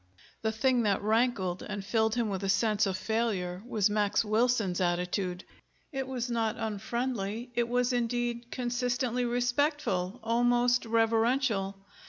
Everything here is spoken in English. The thing that rankled and filled him with a sense of failure was Max Wilson's attitude. It was not unfriendly; it was, indeed, consistently respectful, almost reverential.